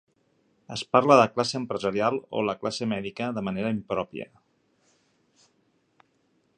Es parla de la classe empresarial o la classe mèdica de manera impròpia.